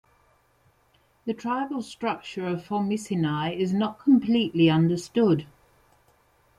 The tribal structure of Formicinae is not completely understood.